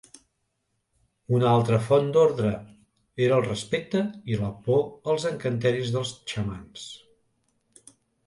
Una altra font d'ordre era el respecte i la por als encanteris dels xamans.